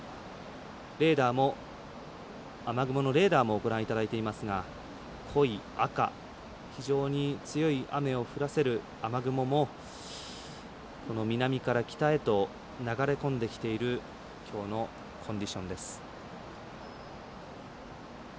雨雲レーダーもご覧いただいていますが濃い赤非常に強い雨を降らせる雨雲もこの南から北へと流れ込んできているきょうのコンディションです。